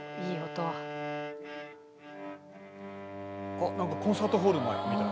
あっなんかコンサートホールみたい。